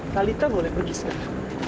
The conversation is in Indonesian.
talitha boleh pergi sekarang